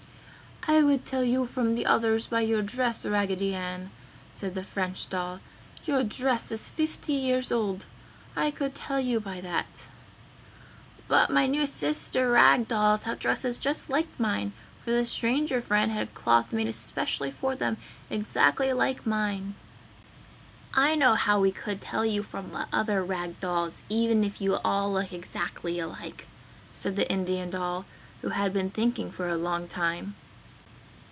"I would tell you from the others by your dress, Raggedy Ann," said the French doll, "Your dress is fifty years old! I could tell you by that!" "But my new sister rag dolls have dresses just like mine, for the Stranger Friend had cloth made especially for them exactly like mine." "I know how we could tell you from the other rag dolls, even if you all look exactly alike!" said the Indian doll, who had been thinking for a long time.